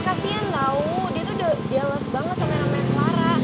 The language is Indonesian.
kasian tau dia tuh udah challenge banget sama namanya clara